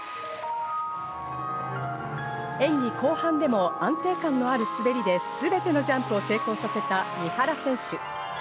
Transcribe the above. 演技後半でも安定感のある滑りですべてのジャンプを成功させた三原選手。